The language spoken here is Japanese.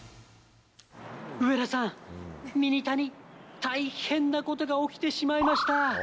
上田さん、ミニタニ、大変なことが起きてしまいました。